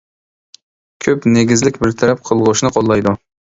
كۆپ نېگىزلىك بىر تەرەپ قىلغۇچنى قوللايدۇ.